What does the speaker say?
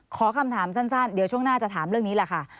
ขอคำถามสั้นเดี๋ยวช่วงหน้าจะถามเรื่องนี้แหละค่ะ